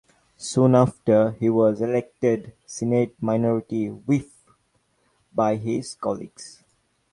Soon after, he was elected Senate minority whip by his colleagues.